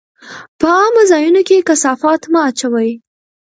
په عامه ځایونو کې کثافات مه اچوئ.